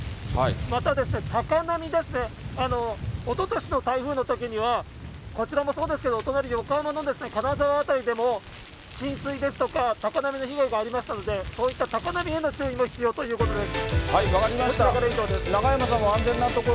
また、高波ですね、おととしの台風のときには、こちらもそうですけど、お隣、横浜の金沢辺りでも、浸水ですとか、高波の被害がありましたので、そういった高波への注意も必要ということです。